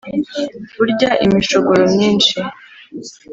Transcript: barya imishogoro myinshi